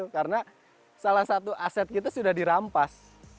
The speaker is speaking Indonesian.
karena salah satu aset kita sudah dirampas